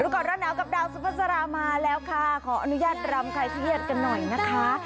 ก่อนร้อนหนาวกับดาวสุภาษามาแล้วค่ะขออนุญาตรำใครเครียดกันหน่อยนะคะ